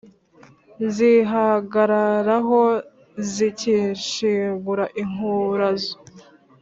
nzihagararaho zikishingura inkurazo.